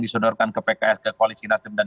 disodorkan ke pks ke koalisi nasdem dan